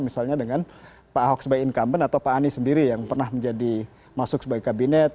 misalnya dengan pak ahok sebagai incumbent atau pak anies sendiri yang pernah menjadi masuk sebagai kabinet